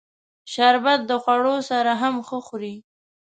شربت د خوړو سره هم ښه خوري